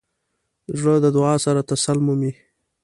زړه د دعا سره تسل مومي.